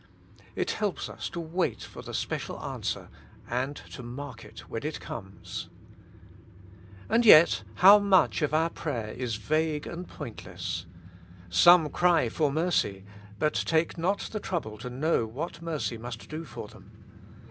It helps us to wait for the special answer, and to mark it when it comes. And yet how much of our prayer is vague and pointless. Some cry for mercy, but take not the trouble to know what mercy must do for them.